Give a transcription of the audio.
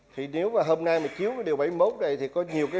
thì nếu mà hôm nay mà chiếu cái điều bảy mươi một này